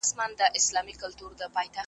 څه به وساتي ځالۍ د توتکیو